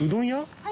はい。